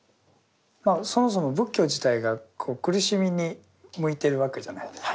そもそも仏教自体が苦しみに向いてるわけじゃないですか。